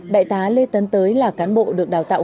đại tá lê tấn tới là cán bộ được đào tạo